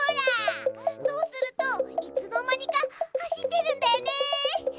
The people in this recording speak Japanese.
そうするといつのまにかはしってるんだよね！